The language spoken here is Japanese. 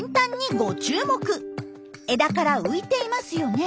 枝から浮いていますよね。